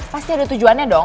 pasti ada tujuannya dong